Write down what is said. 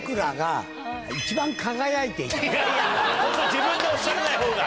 自分でおっしゃらない方が。